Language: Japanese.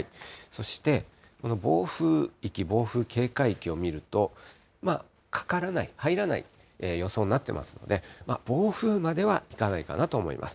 そしてこの暴風域、暴風警戒域を見ると、かからない、入らない予想になってますので、暴風まではいかないかなと思います。